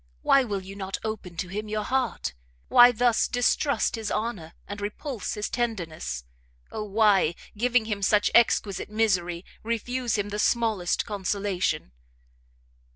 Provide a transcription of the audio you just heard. Why will you not open to him your heart? Why thus distrust his honour, and repulse his tenderness? Oh why, giving him such exquisite misery, refuse him the smallest consolation?"